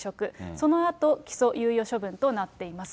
そのあと、起訴猶予処分となっています。